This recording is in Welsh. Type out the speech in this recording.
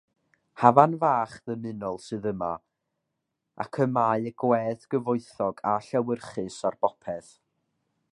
Hafan fach ddymunol sydd yma, ac y mae gwedd gyfoethog a llewyrchus ar bopeth.